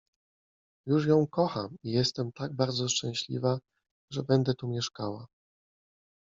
Już ją kocham i jestem tak bardzo szczęśliwa, że będę tu mieszkała.